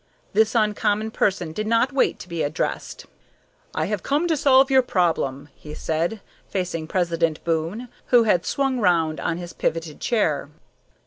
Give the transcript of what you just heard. This uncommon person did not wait to be addressed. "I have come to solve your problem," he said, facing President Boon, who had swung round on his pivoted chair.